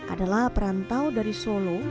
adalah perantau dari solo